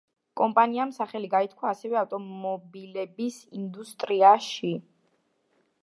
კომპანიამ სახელი გაითქვა ასევე ავტომობილების ინდუსტრიაში.